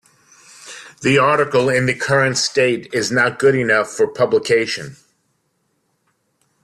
The article in the current state is not good enough for publication.